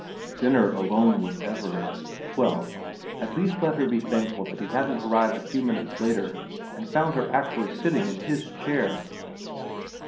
Dinner alone with Everard, well, at least let her be thankful that he hadn't arrived a few minutes later and found her actually sitting in his chair.